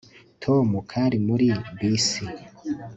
Tom kari muri muri bisi